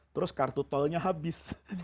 terus kartu tolnya habis